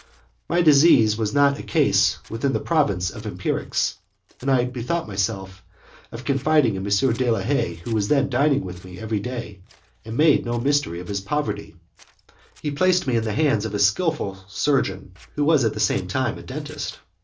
My disease was not a case within the province of empirics, and I bethought myself of confiding in M. de is Haye who was then dining every day with me, and made no mystery of his poverty. He placed me in the hands of a skilful surgeon, who was at the same time a dentist.